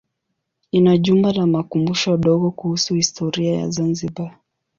Ina jumba la makumbusho dogo kuhusu historia ya Zanzibar.